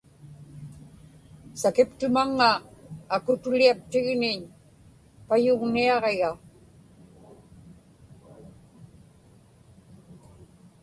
sakiptumaŋŋa akutuliaptigniñ payugniaġiga